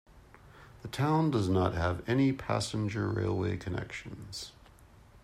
The town does not have any passenger railway connections.